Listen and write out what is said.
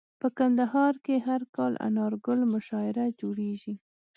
په کندهار کي هر کال انارګل مشاعره جوړیږي.